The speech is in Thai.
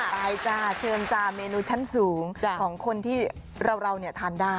ไปจ้าเชิญจ้าเมนูชั้นสูงของคนที่เราทานได้